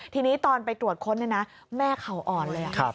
ทีนี้ตอนไปตรวจค้นเนี่ยนะแม่เขาอ่อนเลย